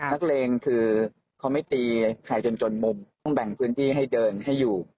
นักเลงคือเขาไม่ตีใครจนจนมุมต้องแบ่งพื้นที่ให้เดินให้อยู่